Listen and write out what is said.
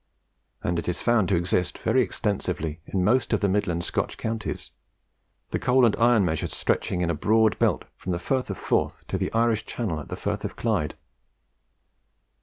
And it is found to exist very extensively in most of the midland Scotch counties, the coal and iron measures stretching in a broad belt from the Firth of Forth to the Irish Channel at the Firth of Clyde.